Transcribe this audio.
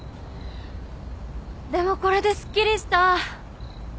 でもこれですっきりした。